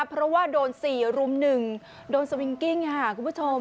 เพราะว่าโดน๔รุม๑โดนสวิงกิ้งค่ะคุณผู้ชม